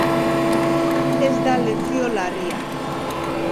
Ez da lesio larria.